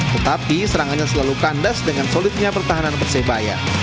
tetapi serangannya selalu kandas dengan solidnya pertahanan persebaya